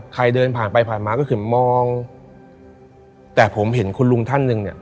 ใครเดินผ่านไปผ่านมาก็คือมองแต่ผมเห็นคุณลุงท่านหนึ่งเนี่ย